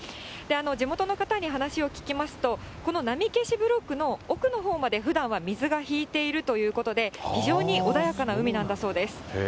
地元の方に話を聞きますと、この波消しブロックの奥のほうまでふだんは水が引いているということで、非常に穏やかな海なんだそうです。